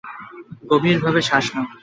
গভীরভাবে শ্বাস নাও।